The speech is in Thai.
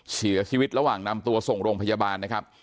เสียชีวิตระหว่างนำตัวส่งโรงพยาบาลนะครับ